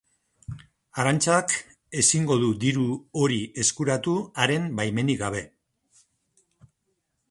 Arantzak ezingo du diru hori eskuratu haren baimenik gabe.